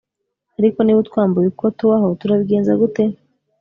ariko niba utwambuye uko tubaho turabigenza gute